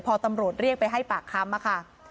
พอตำรวจเรียกไปให้ปากคำอะค่ะ